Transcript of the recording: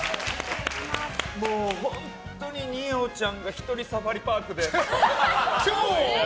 もう本当に二葉ちゃんが一人サファリパークで。